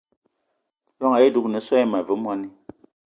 Ijon ayì dúgne so àyi ma ve mwani